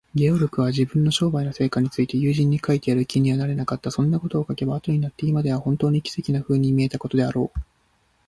ゲオルクは、自分の商売の成果について友人に書いてやる気にはなれなかった。そんなことを書けば、あとになった今では、ほんとうに奇妙なふうに見えたことであろう。